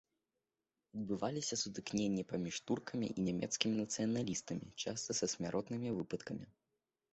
Адбываліся сутыкненні паміж туркамі і нямецкімі нацыяналістамі, часта са смяротнымі выпадкамі.